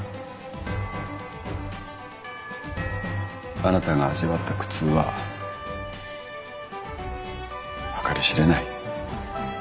あなたが味わった苦痛は計り知れない。